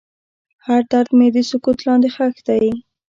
هر درد مې د سکوت لاندې ښخ دی.